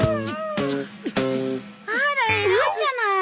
あら偉いじゃない。